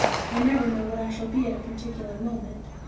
I never know what I shall be at a particular moment.